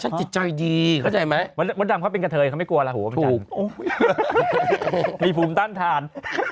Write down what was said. ฉันจิตใจดีเข้าใจไหมวัดดำเขาเป็นกระเทยเขาไม่กลัวล่ะถูกมีภูมิต้านทาน